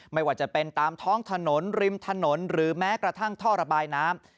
ไม่ว่าจะเป็นตามท้องถนนริมถนนหรือแม้กระทั่งท่อระบายน้ำ